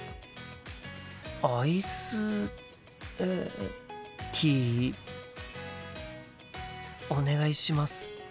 アイスえティーお願いします。